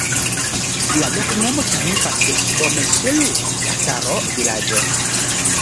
La loknomo signifas: Somesul-tataro-vilaĝo.